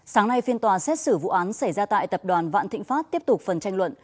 sáng nay phiên tòa xét xử vụ án xảy ra tại tập đoàn vạn thịnh pháp tiếp tục phần tranh luận